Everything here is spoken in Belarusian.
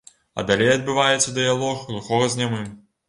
А далей адбываецца дыялог глухога з нямым.